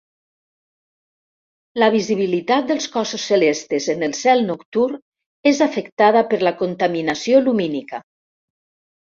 La visibilitat dels cossos celestes en el cel nocturn és afectada per la contaminació lumínica.